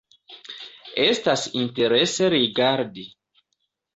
Estas interese rigardi.